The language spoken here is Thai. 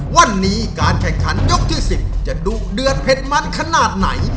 วันนี้การแข่งขันยกที่๑๐จะดุเดือดเผ็ดมันขนาดไหน